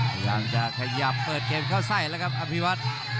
พยายามจะขยับเปิดเกมเข้าใส่แล้วครับอภิวัตร